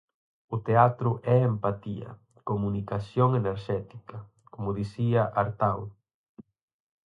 O teatro é empatía, comunicación enerxética, como dicía Artaud.